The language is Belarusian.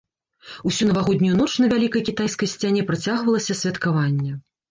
Усю навагоднюю ноч на вялікай кітайскай сцяне працягвалася святкаванне.